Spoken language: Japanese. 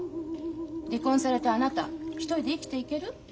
離婚されてあなた一人で生きていける？